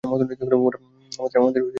আমাদের এতো সময় নেই।